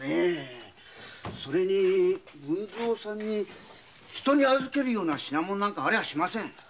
それに文造さんには人に預けるような品物なんかありゃしませんよ。